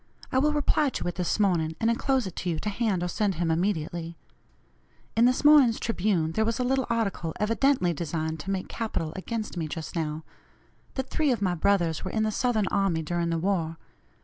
I will reply to it this morning, and enclose it to you to hand or send him immediately. In this morning's Tribune there was a little article evidently designed to make capital against me just now that three of my brothers were in the Southern army during the war.